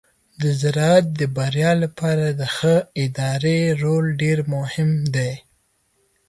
د زراعت د بریا لپاره د ښه ادارې رول ډیر مهم دی.